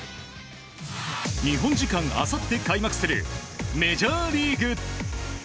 日本時間あさって開幕するメジャーリーグ。